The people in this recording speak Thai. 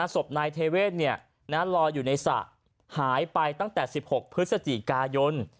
ศพนายเทเวศลอยอยู่ในสระหายไปตั้งแต่๑๖พฤศจิกายน